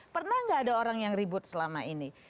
pernah nggak ada orang yang ribut selama ini